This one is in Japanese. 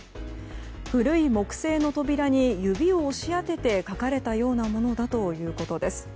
古い木製の扉に指を押し当てて描かれたようなものだということです。